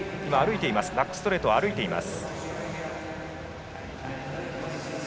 バックストレートを歩いています。